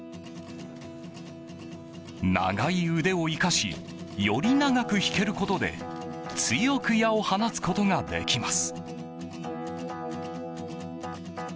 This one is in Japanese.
長い腕を生かしより長く引けることで強く矢を放つことができます。